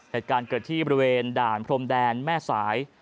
เหตุการณ์เกิดที่บริเวณด่านพรมแดนแม่สาย